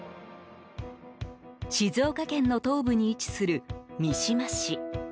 静岡県の東部に位置する三島市。